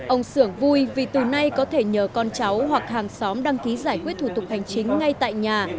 ông sưởng vui vì từ nay có thể nhờ con cháu hoặc hàng xóm đăng ký giải quyết thủ tục hành chính ngay tại nhà